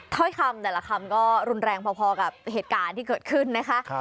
ถ้อยคำแต่ละคำก็รุนแรงพอกับเหตุการณ์ที่เกิดขึ้นนะคะ